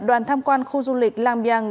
đoàn tham quan khu du lịch lang biang